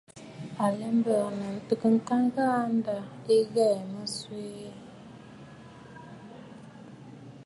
À lɛ mbɨ̀ɨ̀nə̀ ntəə ŋka ghaa, ǹda ɨ ghɛɛ̀ mə swee.